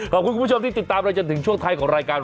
คุณผู้ชมที่ติดตามเราจนถึงช่วงท้ายของรายการ